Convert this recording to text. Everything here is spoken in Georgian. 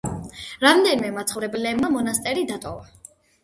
რამდენიმე მაცხოვრებელმა მონასტერი დატოვა.